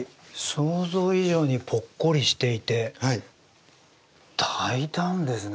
想像以上にポッコリしていて大胆ですね。